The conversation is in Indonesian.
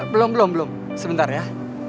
belum belum belum sebentar ya